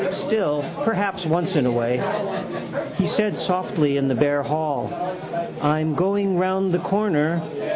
Still perhaps: once in a way. He said softly in the bare hall: —I'm going round the corner.